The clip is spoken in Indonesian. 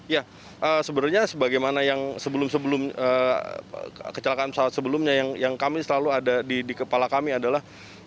ya sebenarnya sebagaimana yang sebelum sebelum kecelakaan pesawat sebelumnya yang kami selalu ada di kepala kami adalah